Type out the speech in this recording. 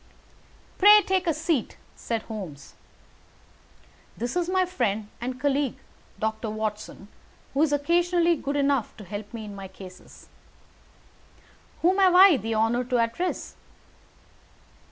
"Pray take a seat," said Holmes. "This is my friend and colleague, Doctor Watson, who is occasionally good enough to help me in my cases. Whom have I the honour to address?"